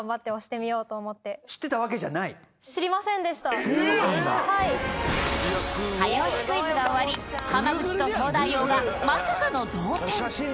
自分がそうなんだ早押しクイズが終わり濱口と東大王がまさかの同点